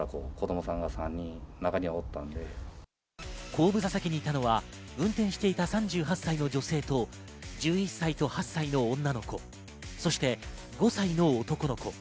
後部座席にいたのは運転していた３８歳の女性と１１歳と８歳の女の子、そして５歳の男の子。